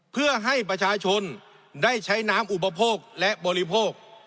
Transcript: เพื่อให้ประชาชนได้ใช้น้ำอุปโภคและบริโภค